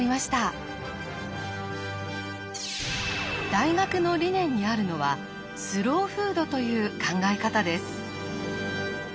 大学の理念にあるのは「スローフード」という考え方です。